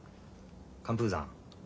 寒風山